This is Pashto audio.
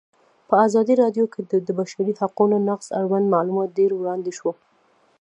په ازادي راډیو کې د د بشري حقونو نقض اړوند معلومات ډېر وړاندې شوي.